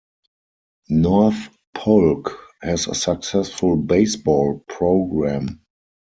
North Polk has a successful baseball program.